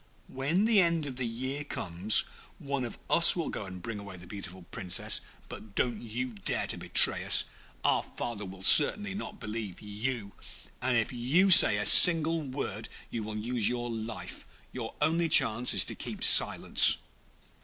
When the end of the year comes, one of us will go and bring away the beautiful Princess. But don't dare to betray us. Our father will certainly not believe you, and if you say a single word you will lose your life; your only chance is to keep silence.'